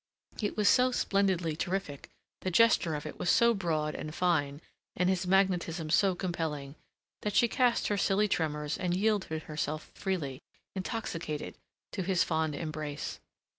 It was so splendidly terrific, the gesture of it was so broad and fine and his magnetism so compelling, that she cast her silly tremors and yielded herself freely, intoxicated, to his fond embrace.